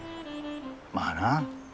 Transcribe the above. まあな。